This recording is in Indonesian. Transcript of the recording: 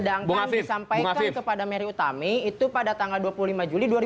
sedangkan disampaikan kepada mary utami itu pada tanggal dua puluh lima juli dua ribu dua puluh